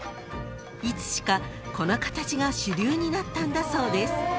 ［いつしかこの形が主流になったんだそうです］